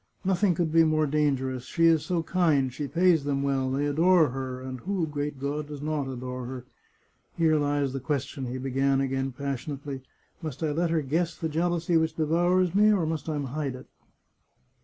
Nothing could be more dangerous — she is so kind, she pays them well, they adore her (and who, great God! does not adore her?). Here lies the ques tion," he began again passionately. " Must I let her guess the jealousy which devours me, or must I hide it?